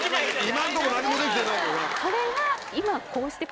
今のとこ何もできてないよな。